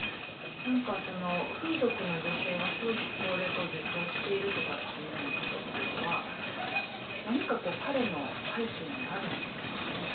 風俗の女性は少子高齢化を助長しているとかっていうようなことっていうのは、何か彼の背景にあるんですかね？